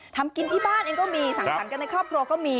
ทำกินที่บ้านก็มีสั่งกันในครอบครัวก็มี